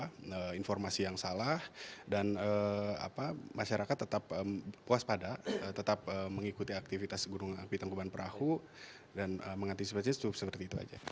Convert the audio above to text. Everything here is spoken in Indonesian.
karena informasi yang salah dan masyarakat tetap puas pada tetap mengikuti aktivitas gunung api tangkuban perahu dan mengantisipasinya cukup seperti itu aja